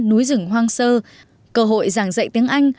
núi rừng hoang sơ cơ hội giảng dạy tiếng anh